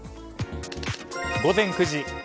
午前９時。